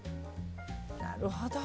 なるほど。